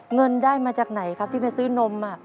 เงินได้มาจากไหนครับที่ไปซื้อนม